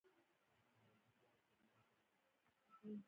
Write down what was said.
نو که چېرې تاسې دخبرو اترو اغیزمنه وړتیا ولرئ